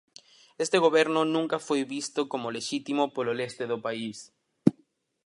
Este goberno nunca foi visto como lexítimo polo leste do país.